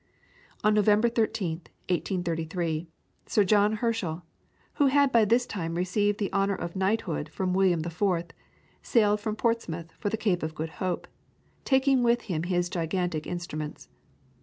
On November 13, 1833, Sir John Herschel, who had by this time received the honour of knighthood from William IV., sailed from Portsmouth for the Cape of Good Hope, taking with him his gigantic instruments.